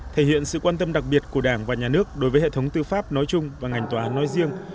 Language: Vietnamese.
thể hiện sự quan tâm đặc biệt của đảng và nhà nước đối với hệ thống tư pháp nói chung và ngành tòa án nói riêng